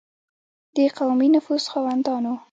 د قومي نفوذ خاوندانو.